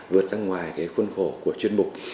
vượt ra ngoài khuôn khổ của chuyên mục